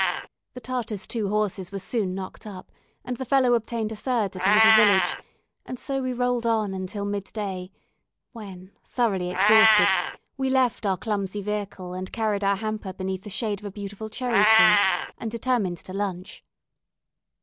The Tartar's two horses were soon knocked up, and the fellow obtained a third at a little village, and so we rolled on until mid day, when, thoroughly exhausted, we left our clumsy vehicle and carried our hamper beneath the shade of a beautiful cherry tree, and determined to lunch.